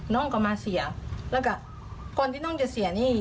น้องก็มาเสียแล้วก็ก่อนที่น้องจะเสียหนี้